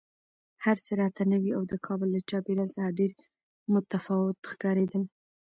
هر څه راته نوي او د کابل له چاپېریال څخه ډېر متفاوت ښکارېدل